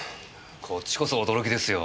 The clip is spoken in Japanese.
こっちこそ驚きですよ。